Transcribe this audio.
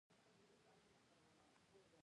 فضل الحق فاروقي ښه پیل کوي.